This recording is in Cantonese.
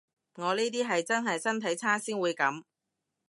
我呢啲係真係身體差先會噉